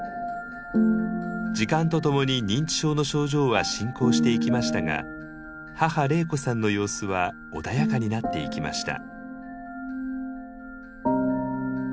時間とともに認知症の症状は進行していきましたが母玲子さんの様子は穏やかになっていきました。